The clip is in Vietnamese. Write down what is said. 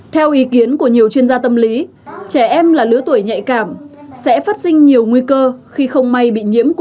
theo ý kiến của nhiều chuyên gia tâm lý trẻ em là lứa tuổi nhạy cảm sẽ phát sinh nhiều nguy cơ khi không may bị nhiễm